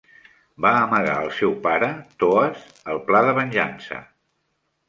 Va amagar al seu pare, Thoas, el pla de venjança.